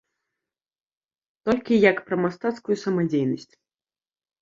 Толькі як пра мастацкую самадзейнасць.